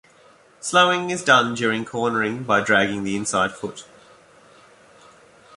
Slowing is done during cornering by dragging the inside foot.